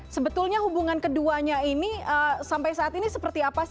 sebetulnya hubungan keduanya ini sampai saat ini seperti apa sih